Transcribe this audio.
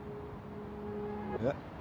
えっ？